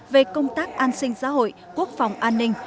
về công tác an sinh xã hội quốc phòng an ninh